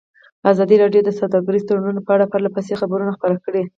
ازادي راډیو د سوداګریز تړونونه په اړه پرله پسې خبرونه خپاره کړي.